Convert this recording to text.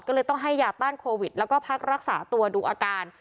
ก็เลยต้องให้ยาต้านโควิดแล้วก็พักรักษาตัวดูอาการ